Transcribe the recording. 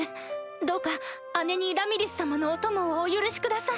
どうか姉にラミリス様のお供をお許しください。